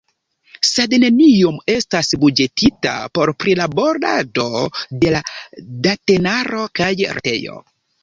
Sed neniom estas buĝetita por prilaborado de la datenaro kaj retejo.